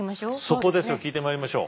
そこですよ聞いてまいりましょう。